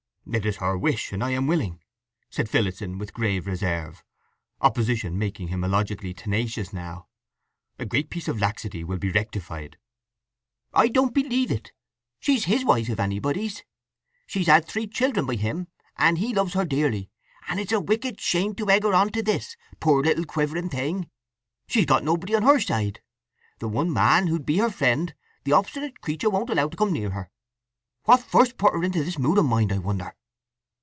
"It's her wish, and I am willing," said Phillotson with grave reserve, opposition making him illogically tenacious now. "A great piece of laxity will be rectified." "I don't believe it. She's his wife if anybody's. She's had three children by him, and he loves her dearly; and it's a wicked shame to egg her on to this, poor little quivering thing! She's got nobody on her side. The one man who'd be her friend the obstinate creature won't allow to come near her. What first put her into this mood o' mind, I wonder!"